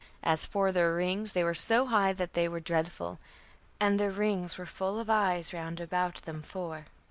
As for their rings, they were so high that they were dreadful; and their rings were full of eyes round about them four.